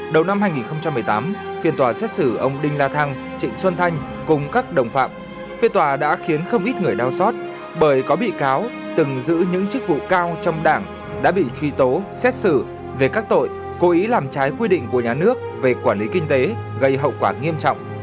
đầu năm hai nghìn một mươi tám phiên tòa xét xử ông đinh la thăng trịnh xuân thanh cùng các đồng phạm phiên tòa đã khiến không ít người đau xót bởi có bị cáo từng giữ những chức vụ cao trong đảng đã bị truy tố xét xử về các tội cố ý làm trái quy định của nhà nước về quản lý kinh tế gây hậu quả nghiêm trọng